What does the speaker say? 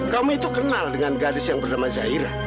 kamu itu kenal dengan gadis yang bernama zairah